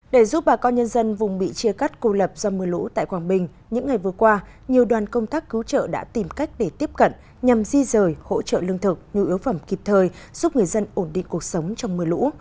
để giúp bà con nhân dân vùng bị chia cắt cô lập do mưa lũ tại quảng bình những ngày vừa qua nhiều đoàn công tác cứu trợ đã tìm cách để tiếp cận nhằm di rời hỗ trợ lương thực nhu yếu phẩm kịp thời giúp người dân ổn định cuộc sống trong mưa lũ